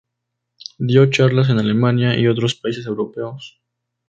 Dio charlas en Alemania y otros países europeos.